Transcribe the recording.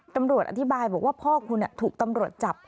ตำรวจอธิบายบอกว่าพ่อคุณถูกตำรวจจับ